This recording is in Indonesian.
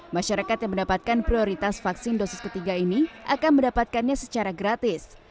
masyarakat yang mendapatkan prioritas vaksin dosis ketiga ini akan mendapatkannya secara gratis